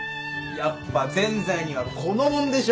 やっぱぜんざいにはこのもんでしょ。